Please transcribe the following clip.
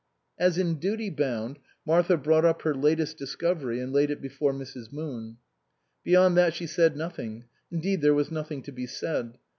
As in duty bound, Martha brought up her latest discovery and laid it before Mrs. Moon. Beyond that she said nothing, indeed there was nothing to be said.